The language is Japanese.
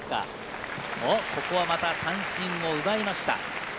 ここは、また三振を奪いました。